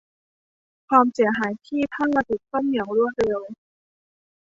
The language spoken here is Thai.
ความเสียหายที่ผ้าถูกซ่อมอย่างรวดเร็ว